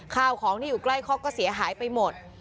ข้าวของที่อยู่ใกล้คอกก็เสียหายไปหมด